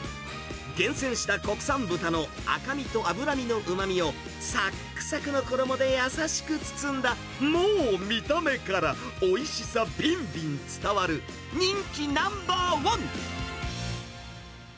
厳選した国産豚の赤身と脂身のうまみを、さくっさくの衣で優しく包んだ、もう見た目からおいしさびんびん伝わる人気ナンバー１。